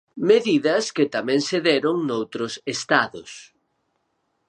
Medidas que tamén se deron noutros Estados.